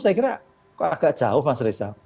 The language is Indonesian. saya kira agak jauh mas reza